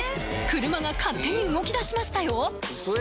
車が勝手に動きだしましたよ